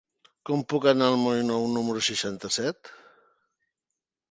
Com puc anar al moll Nou número seixanta-set?